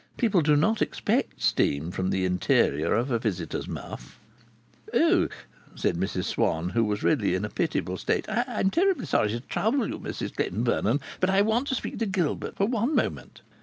People do not expect steam from the interior of a visitor's muff. "Oh!" said Mrs Swann, who was really in a pitiable state. "I'm sorry to trouble you, Mrs Clayton Vernon. But I want to speak to Gilbert for one moment."